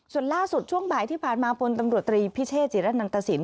ส่วนล่าสุดช่วงบ่ายที่ผ่านมาพลตำรวจตรีพิเชษจิระนันตสิน